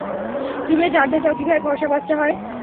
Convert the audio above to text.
তুমিও জানতে চাও কীভাবে ফর্সা বাচ্চা হয়?